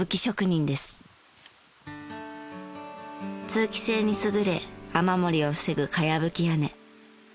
通気性に優れ雨漏りを防ぐ茅葺屋根。